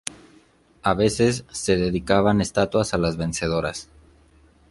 A veces se dedicaban estatuas a las vencedoras.